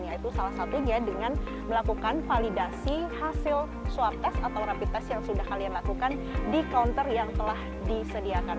yaitu salah satunya dengan melakukan validasi hasil swab test atau rapid test yang sudah kalian lakukan di counter yang telah disediakan